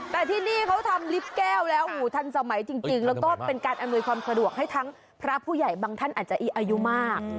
แต่ที่นี่เขาทำลิฟต์แก้วแล้วทันสมัยจริงแล้วก็เป็นการอำนวยความสะดวกให้ทั้งพระผู้ใหญ่บางท่านอาจจะอายุมาก